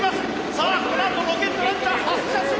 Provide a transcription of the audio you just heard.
さあこのあとロケットランチャー発射するか！